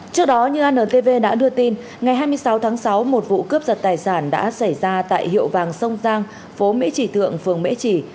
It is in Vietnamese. trước đó như antv đã đưa tin ngày hai mươi sáu tháng sáu một vụ cướp giật tài sản đã xảy ra tại hiệu vàng sông giang phố mỹ trì thượng phường mễ trì